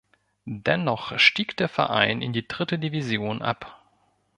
Dennoch stieg der Verein in die Dritte Division ab.